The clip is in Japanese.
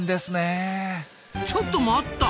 ちょっと待った！